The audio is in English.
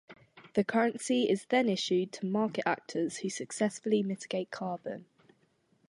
The currency is then issued to market actors who successfully mitigate carbon.